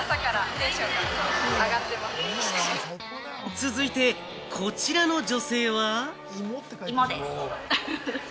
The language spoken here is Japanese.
続いてこちらの女性は。